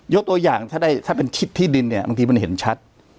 ยกตัวอย่างถ้าเป็นทิศที่ดินบางทีมันเห็นชัด